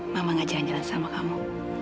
mama gak jalan jalan sama kamu